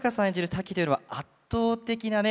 タキというのは圧倒的なね